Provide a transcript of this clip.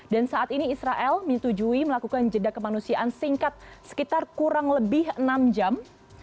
dan saat ini israel menyetujui melakukan jeda kemanusiaan singkat sekitar kurang lebih enam jam